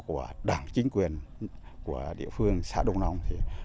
của đảng chính quyền của địa phương xã đông long